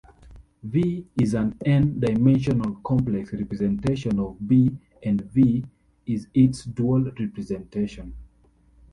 "V" is an "N"-dimensional complex representation of "B" and "V" is its dual representation.